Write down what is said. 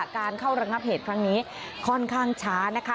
การเข้าระงับเหตุครั้งนี้ค่อนข้างช้านะคะ